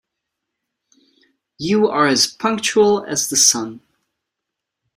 You are as punctual as the sun.